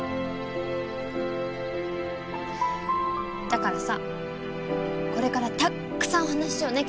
だからさこれからたっくさんお話しようね。